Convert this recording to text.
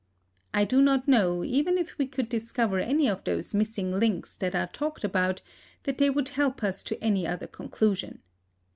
I do not know, even if we could discover any of those "missing links" that are talked about, that they would help us to any other conclusion!